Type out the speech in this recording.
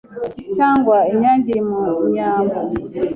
Cyangwa inyange iri mu nyambo!...“